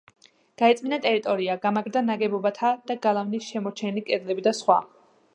გაიწმინდა ტერიტორია, გამაგრდა ნაგებობათა და გალავნის შემორჩენილი კედლები და სხვა.